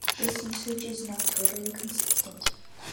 This usage is not totally consistent.